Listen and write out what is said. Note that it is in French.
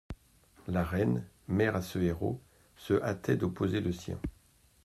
La reine mère à ce héros se hâtait d'opposer le sien.